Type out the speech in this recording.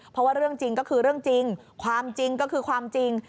เพราะว่าเรื่องจริงก็คือเรื่องจริงความจริงก็คือความจริง